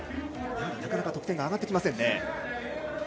なかなか得点が上がってきません。